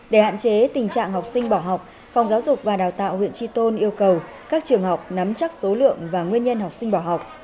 để hạn chế tình trạng học sinh bỏ học phòng giáo dục và đào tạo huyện tri tôn yêu cầu các trường học nắm chắc số lượng và nguyên nhân học sinh bỏ học